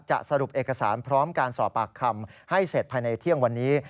สรุปเอกสารพร้อมการสอบปากคำให้เสร็จภายในเที่ยงวันนี้